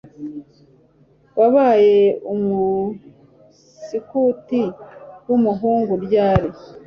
Wabaye Umuskuti wumuhungu ryari